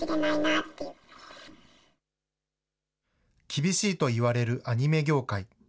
厳しいといわれるアニメ業界。